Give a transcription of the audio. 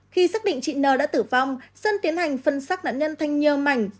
khi xác định chị n đã tử vong sơn tiến hành phân xác nạn nhân thanh nhơ mảnh